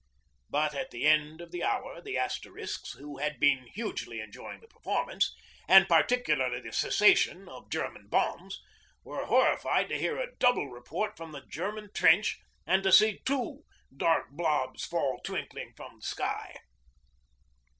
But at the end of the hour, the Asterisks, who had been hugely enjoying the performance, and particularly the cessation of German bombs, were horrified to hear a double report from the German trench, and to see two dark blobs fall twinkling from the sky.